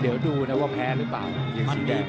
เดี๋ยวดูนะว่าแพ้หรือเปล่า